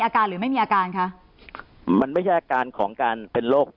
อาการหรือไม่มีอาการคะมันไม่ใช่อาการของการเป็นโรค